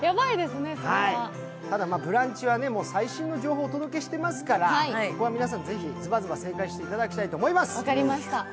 ただ「ブランチ」は最新の情報をお届けしていますから皆さん、ここはｍ、ズバズバ正解していただきたいと思います。